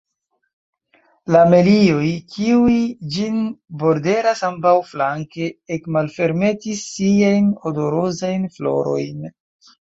La melioj, kiuj ĝin borderas ambaŭflanke, ekmalfermetis siajn odorozajn florojn.